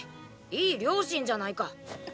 いい両親じゃないか。